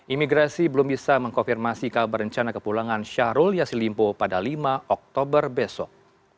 imigrasi belum bisa mengkonfirmasi kabar rencana kepulangan syahrul yassin limpo pada lima oktober besok